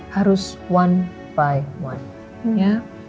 harus satu persatu